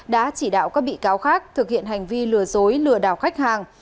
đã chỉ đạo các bị cáo khác thực hiện hành vi lừa dối lừa đảo khách hàng